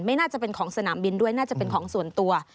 น่าจะเป็นของสนามบินด้วยน่าจะเป็นของส่วนตัว